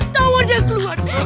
tawon yang keluar